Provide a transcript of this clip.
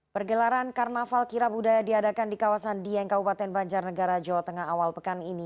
pergelaran karnaval kirap budaya diadakan di kawasan dieng kabupaten banjarnegara jawa tengah awal pekan ini